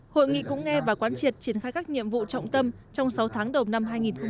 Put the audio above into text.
hội nghị cũng nghe và quán triển triển khai các nhiệm vụ trọng tâm trong sáu tháng đầu năm hai nghìn một mươi tám